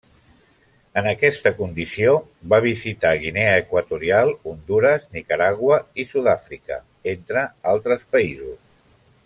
En aquesta condició va visitar Guinea Equatorial, Hondures, Nicaragua i Sud-àfrica, entre altres països.